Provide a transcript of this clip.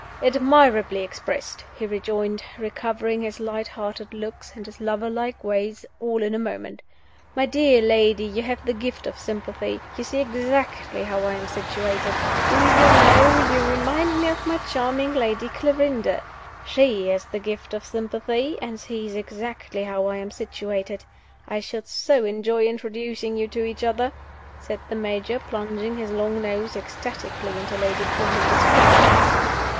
"Admirably expressed!" he rejoined, recovering his light hearted looks and his lover like ways all in a moment. "My dear lady, you have the gift of sympathy; you see exactly how I am situated. Do you know, you remind me of my charming Lady Clarinda. She has the gift of sympathy, and sees exactly how I am situated. I should so enjoy introducing you to each other," said the Major, plunging his long nose ecstatically into Lady Clarinda's flowers.